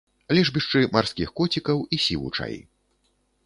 Лежбішчы марскіх коцікаў і сівучай.